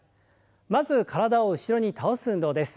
まず体を後ろに倒す運動です。